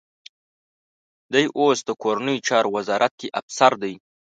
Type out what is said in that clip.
دی اوس د کورنیو چارو وزارت کې افسر دی.